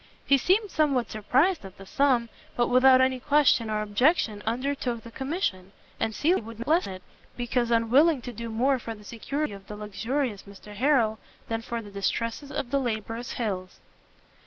He seemed somewhat surprised at the sum, but without any question or objection undertook the commission: and Cecilia would not lessen it, because unwilling to do more for the security of the luxurious Mr Harrel, than for the distresses of the laborious Hills.